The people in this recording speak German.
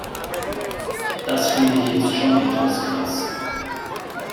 Das finde ich jetzt schon etwas krass.